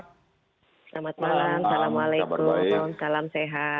selamat malam assalamualaikum salam sehat